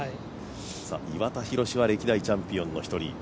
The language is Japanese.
岩田寛は歴代チャンピオンの１人。